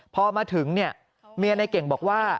พอมาถึงเนี่ยเมียในเก่งบอกว่า